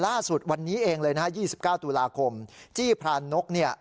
ล่าสุดวันนี้เองเลยนะฮะยี่สิบเก้าตุลาคมจี้พระนกเนี่ย